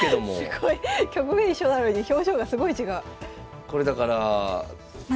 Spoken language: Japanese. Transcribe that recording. すごい。局面一緒なのに表情がすごい違う。